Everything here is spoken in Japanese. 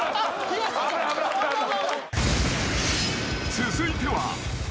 ［続いては］